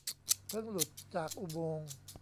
เพิ่งหลุดจากอุโมงค์